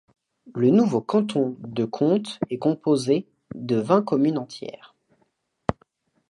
Le nouveau canton de Contes est composé de vingt communes entières.